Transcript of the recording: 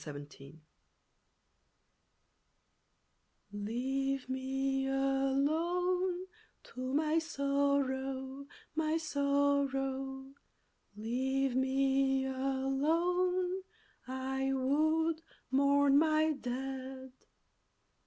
NEVER AGAIN Leave me alone to my sorrow, my sorrow, Leave me alone, I would "mourn my dead!"